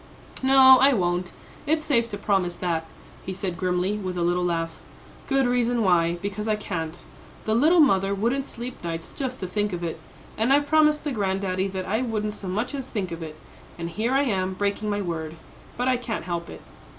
"No, I won't; it's safe to promise that," he said grimly, with a little laugh. "Good reason why; because I can't. The little mother wouldn't sleep nights just to think of it, and I promised the granddaddy that I wouldn't so much as think of it, and here I am breaking my word; but I can't help it."